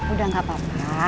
udah gak apa apa